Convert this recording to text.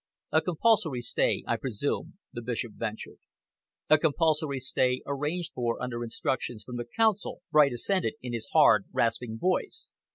"A compulsory stay, I presume?" the Bishop ventured. "A compulsory stay, arranged for under instructions from the Council," Bright assented, in his hard, rasping voice.